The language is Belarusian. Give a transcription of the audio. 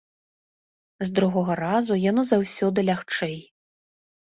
З другога разу яно заўсёды лягчэй.